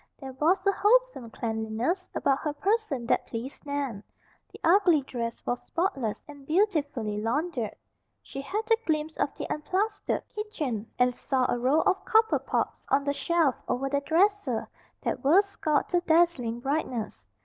There was a wholesome cleanliness about her person that pleased Nan. The ugly dress was spotless and beautifully laundered. She had a glimpse of the unplastered kitchen and saw a row of copper pots on the shelf over the dresser that were scoured to dazzling brightness.